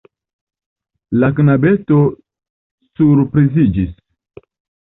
La knabeto surpriziĝis.